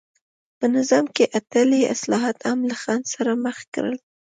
په نظام کې احتلي اصلاحات هم له خنډ سره مخ کړل.